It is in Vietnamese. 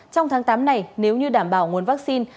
trong tháng tám này nếu như đảm bảo nguồn vaccine